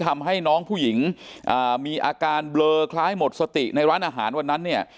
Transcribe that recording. มีอาการเบลอคล้ายหมดสติในร้านอาหารวันนั้นเนี่ย